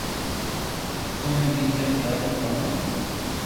امي ٻيجا ري واٽ جونئو